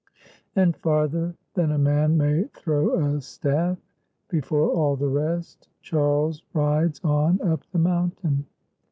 And farther than a man may throw a staff, before all the rest Charles rides on up the mountain.